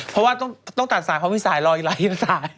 เพราะว่าต้องตัดสายเพราะมีสายรออีกหลายสาย